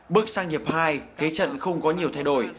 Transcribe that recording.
bước sang hiệp hai thế trận không có nhiều thay đổi